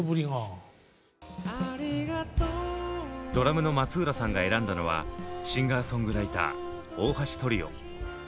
ドラムの松浦さんが選んだのはシンガーソングライター大橋トリオ。